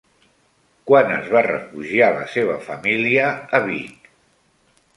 Quan es va refugiar la seva família a Vic?